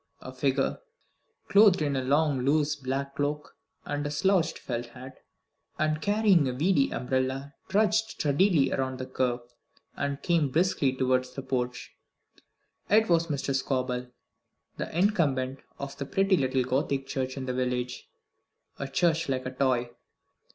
A figure clothed in a long loose black cloak and slouched felt hat, and carrying a weedy umbrella, trudged sturdily around the curve, and came briskly towards the porch. It was Mr. Scobel, the incumbent of the pretty little Gothic church in the village a church like a toy.